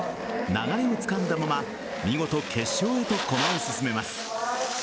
流れをつかんだまま見事、決勝へと駒を進めます。